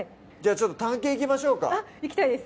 ちょっと探検行きましょうかあっ行きたいです